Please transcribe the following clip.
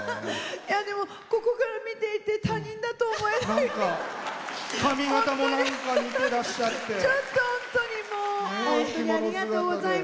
ここから見ていて他人だと思えない。